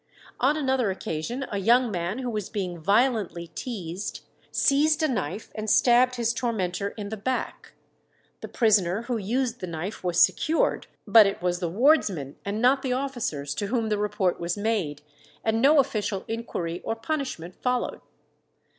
On another occasion a young man, who was being violently teased, seized a knife and stabbed his tormentor in the back. The prisoner who used the knife was secured, but it was the wardsman, and not the officers, to whom the report was made, and no official inquiry or punishment followed.